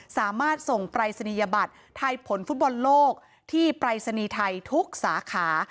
สามารถส่งปรายศนียบัตรทายผลฟุตบอลโลกที่ปรายศนีย์ไทยทุกสาขา